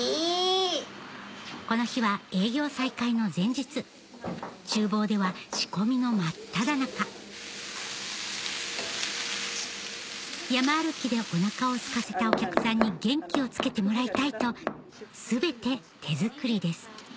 この日は営業再開の前日厨房では仕込みの真っただ中山歩きでおなかをすかせたお客さんに元気をつけてもらいたいと全て手作りです